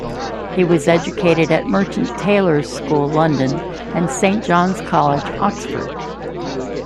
He was educated at Merchant Taylors' School, London and Saint John's College, Oxford.